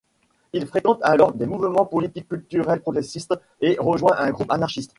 Il fréquente alors des mouvements politiques culturels progressistes et rejoint un groupe anarchiste.